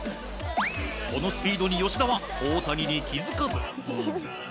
このスピードに吉田は大谷に気づかず。